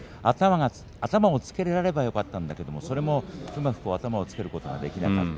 頭をつけられればよかったんだけど、それも頭をうまくつけることができなかった。